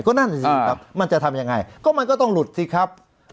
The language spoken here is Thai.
ก็นั่นสิครับมันจะทำยังไงก็มันก็ต้องหลุดสิครับ